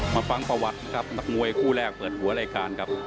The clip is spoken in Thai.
ฟังประวัติครับนักมวยคู่แรกเปิดหัวรายการครับ